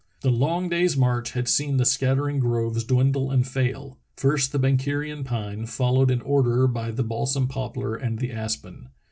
The long day's march had seen the scattering groves dwindle and fail — first the bankerian pine, followed in order by the balsam poplar and the aspen.